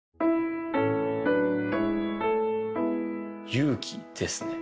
勇気ですね